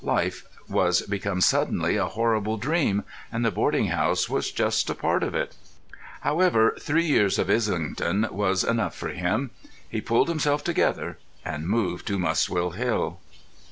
Life was become suddenly a horrible dream, and the boarding house was just a part of it. However, three years of Islington was enough for him. He pulled himself together ... and moved to Muswell Hill.